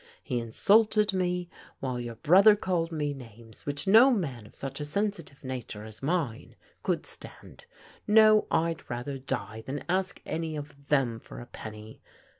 He insulted me, while your brother called me names which no man of such a sensitive nature as mine could stand. No, I'd rather die than ask any of them for a penny.